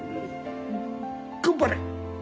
頑張れ！